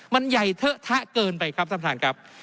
มันใหญ่เทอะทะเกินไปครับท่านประธานครับ